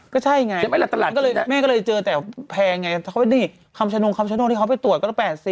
ก็ใช่ไงแม่ก็เลยเจอแต่แพงไงคำชะนวงที่เขาไปตรวจก็ต้อง๘๐